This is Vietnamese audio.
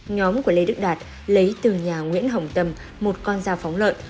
nhóm của lê đức đạt lấy từ nhà nguyễn hồng tâm một con dao phóng lợn